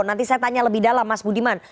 nanti saya tanya lebih dalam mas budiman